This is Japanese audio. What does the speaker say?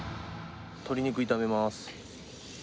鶏肉炒めます。